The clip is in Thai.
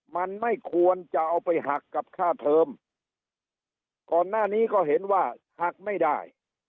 มันไม่ควรจะเอาไปหักกับค่าเทอมก่อนหน้านี้ก็เห็นว่าหักไม่ได้